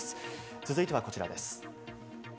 続いてはこちらです。